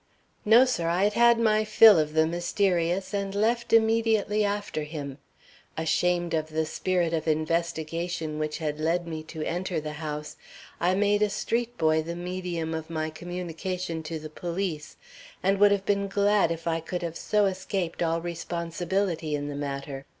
"No, sir, I had had my fill of the mysterious, and left immediately after him. Ashamed of the spirit of investigation which had led me to enter the house, I made a street boy the medium of my communication to the police, and would have been glad if I could have so escaped all responsibility in the matter.